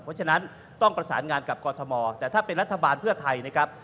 เพราะฉะนั้นต้องประสานงานกับกรทมแต่ถ้าเป็นรัฐบาลเพื่อไทยนะครับ